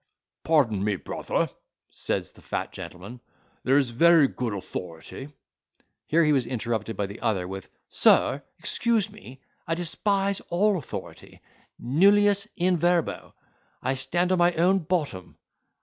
"Pardon me, brother," says the fat gentleman, "there is very good authority—" Here he was interrupted by the other with—"Sir, excuse me, I despise all authority—Nullius in verbo—I stand on my own bottom."